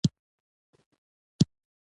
زه به د ورور په شان چلند درسره وکم.